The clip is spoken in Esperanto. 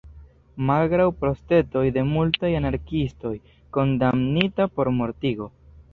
Malgraŭ protestoj de multaj anarkiistoj, kondamnita por mortigo.